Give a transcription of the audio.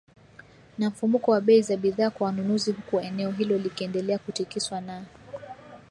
na mfumuko wa bei za bidhaa kwa wanunuzi huku eneo hilo likiendelea kutikiswa na